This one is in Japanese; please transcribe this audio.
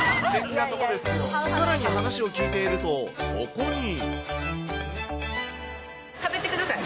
さらに話を聞いていると、食べてください。